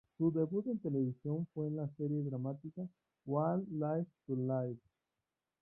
Su debut en televisión fue en la serie dramática "One Life to Live.